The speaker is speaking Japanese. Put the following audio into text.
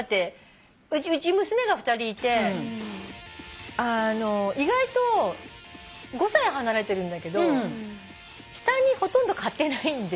うち娘が２人いて意外と５歳離れてるんだけど下にほとんど買ってないんですよ。